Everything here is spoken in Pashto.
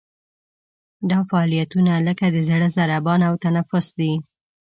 دا فعالیتونه لکه د زړه ضربان او تنفس دي.